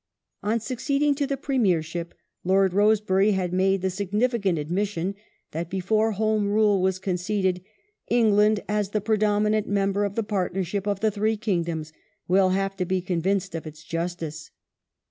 On succeeding to the Premiership Lord Rosebery had made the significant admission that before Home Rule was con ceded " England as the predominant member of the partnership of the three kingdoms will have to be convinced of its justice".